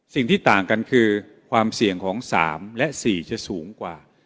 สิ่งที่ต่างกันคือความเสี่ยงของ๓และ๔จะสูงกว่า